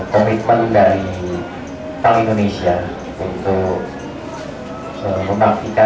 komitmen dari bank indonesia untuk menggantikan